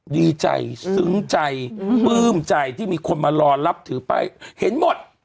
ดีใจซึ้งใจปลื้มใจที่มีคนมารอรับถือป้ายเห็นหมด